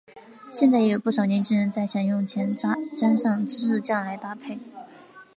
现在也有不少年轻人在享用前沾上芝士酱来搭配。